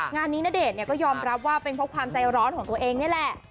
งานนี้ณเดชน์ก็ยอมรับว่าเป็นเพราะความใจร้อนของตัวเองนี่แหละ